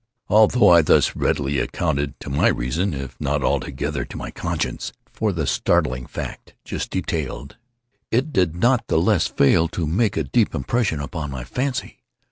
Although I thus readily accounted to my reason, if not altogether to my conscience, for the startling fact just detailed, it did not the less fail to make a deep impression upon my fancy.